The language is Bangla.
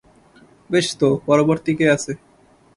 বেশ, তো, পরবর্তী কে আছে?